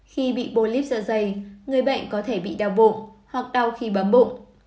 khi bị polip dạ dày người bệnh có thể bị đau bụng hoặc đau khi bấm bụng